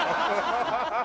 ハハハハ！